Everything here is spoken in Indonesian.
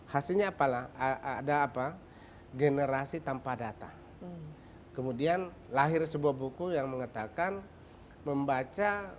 hasilnya apalah ada apa generasi tanpa data kemudian lahir sebuah buku yang mengatakan membaca